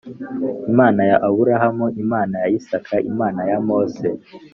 Imana ya Aburahamu Imana ya Isaka Imana ya mose